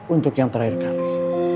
untuk yang terakhir kali